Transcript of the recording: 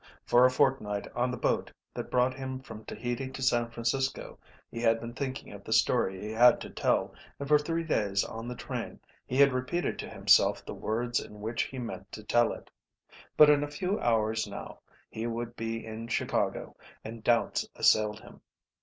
For a fortnight on the boat that brought him from Tahiti to San Francisco he had been thinking of the story he had to tell, and for three days on the train he had repeated to himself the words in which he meant to tell it. But in a few hours now he would be in Chicago, and doubts assailed him.